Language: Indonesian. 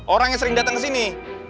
orang yang sering dateng kesini